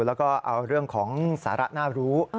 แล้วก็เอาเรื่องของสาระน่ารู้